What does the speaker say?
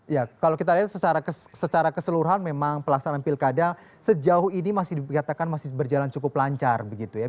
ya kalau kita lihat secara keseluruhan memang pelaksanaan pilkada sejauh ini masih dikatakan masih berjalan cukup lancar begitu ya